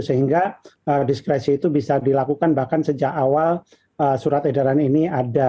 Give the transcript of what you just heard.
karena diskresi itu bisa dilakukan bahkan sejak awal surat edaran ini ada